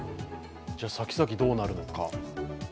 じゃ、先々どうなるのか。